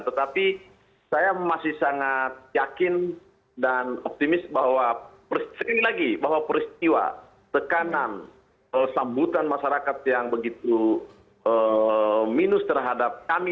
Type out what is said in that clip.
tetapi saya masih sangat yakin dan optimis bahwa sekali lagi bahwa peristiwa tekanan sambutan masyarakat yang begitu minus terhadap kami